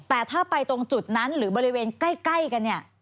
แต่ถ้าไปตรงจุดนั้นหรือบริเวณใกล้กันเนี่ย